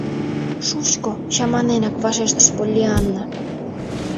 — Шучко! — чаманенак вашештыш Поллианна.